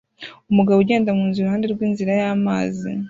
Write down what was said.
Umugabo agenda munzira iruhande rw'inzira y'amazi